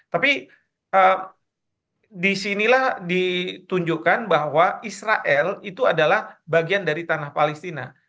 tapi disinilah ditunjukkan bahwa israel itu adalah bagian dari tanah palestina